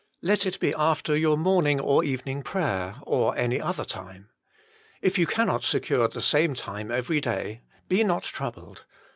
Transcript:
Let it be after your morning or evening prayer, or any other time. If you cannot secure the same time every day, be not troubled.